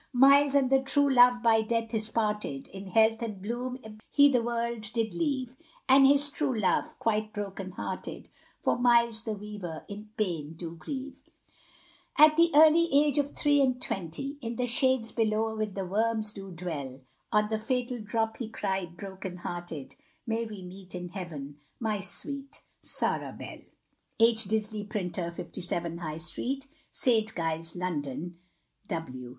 Miles and the true love by death is parted, In health and bloom, he the world did leave, And his true love, quite broken hearted, For Miles the weaver, in pain do grieve; At the early age of three and twenty, In the shades below, with the worms do dwell, On the fatal drop, he cried, broken hearted, May we meet in heaven, my sweet Sarah Bell. H. Disley, Printer, 57, High street, St. Giles, London.